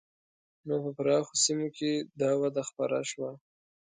نو په پراخو سیمو کې دا وده خپره شوه.